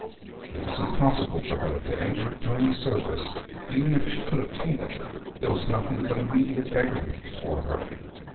It was impossible for her to enter into any service, even if she could obtain it. There was nothing but immediate beggary before her.